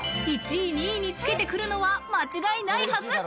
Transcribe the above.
１位、２位についてくるのは間違いないはず。